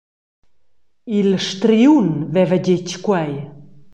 Il striun veva detg quei.